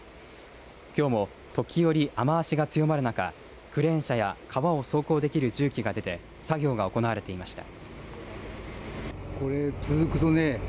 きょうも時折、雨足が強まる中クレーン車や川を走行できる重機が出て作業が行われていました。